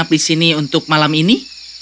kau ingin nafli sini untuk malam ini